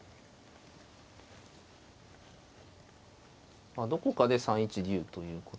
まあどこかで３一竜ということになるんですかね。